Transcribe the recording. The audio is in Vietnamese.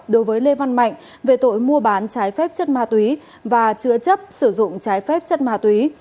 đối với lê văn mạnh về tội mua bán trái phép chất ma túy và chứa chấp sử dụng trái phép chất ma túy